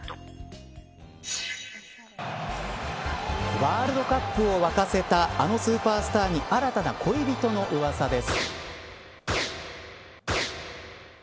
ワールドカップを沸かせたあのスーパースターに新たな恋人のうわさです。